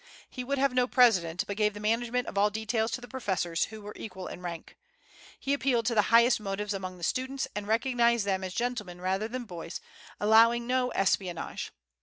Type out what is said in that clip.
He would have no president, but gave the management of all details to the professors, who were equal in rank. He appealed to the highest motives among the students, and recognized them as gentlemen rather than boys, allowing no espionage.